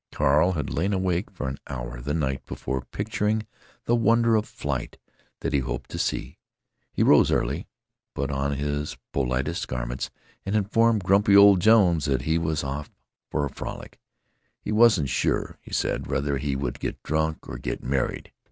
Carl had lain awake for an hour the night before, picturing the wonder of flight that he hoped to see. He rose early, put on his politest garments, and informed grumpy old Jones that he was off for a frolic—he wasn't sure, he said, whether he would get drunk or get married.